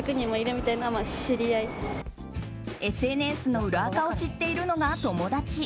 ＳＮＳの裏アカを知っているのが友達。